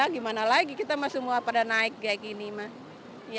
gimana lagi kita semua pada naik kayak gini